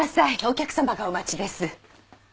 お客様がお待ちです。